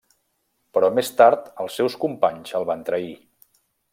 Però més tard els seus companys el van trair.